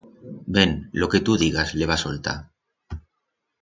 Ben, lo que tu digas, le va soltar.